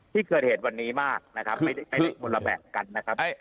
ที่เกิดเหตุวันนี้มากนะครับไม่ได้คนละแบบกันนะครับ